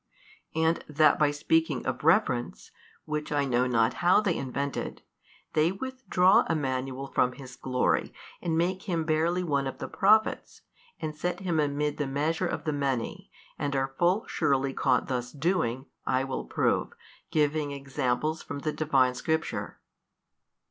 And that by speaking of reference 45, which I know not how they invented, they withdraw Emmanuel from His Glory and make Him barely one of the Prophets, and set Him amid the measure of the many, and are full surely caught thus doing, I will prove, giving examples from the Divine Scripture.